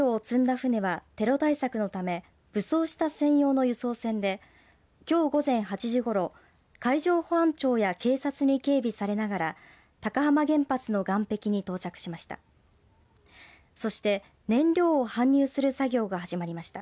船はテロ対策のため武装した専用の輸送船できょう午前８時ごろ海上保安庁や警察に警備されながら高浜原発の岸壁に到着しました。